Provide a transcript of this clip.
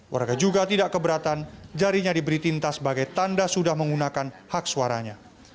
warga juga tidak keberatan jarinya diberi tinta sebagai tanda sudah menggunakan hak suaranya